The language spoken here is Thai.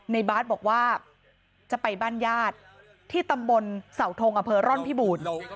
บาสบอกว่าจะไปบ้านญาติที่ตำบลเสาทงอำเภอร่อนพิบูรณ์